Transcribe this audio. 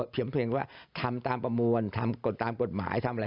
เพียงเพลงว่าทำตามประมวลทำกฎตามกฎหมายทำอะไร